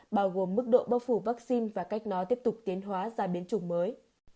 bao gồm mức độ bao phủ vaccine và cách nó tiếp tục tiến hóa ra biến chủng mới